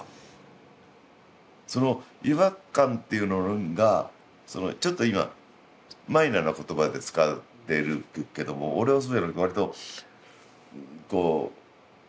その違和感っていうのがちょっと今マイナーな言葉で使ってるけども俺はそうじゃなくてわりとこう何？